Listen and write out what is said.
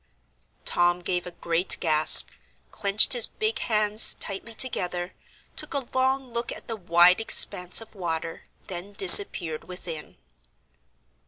Tom gave a great gasp, clenched his big hands tightly together, took a long look at the wide expanse of water, then disappeared within.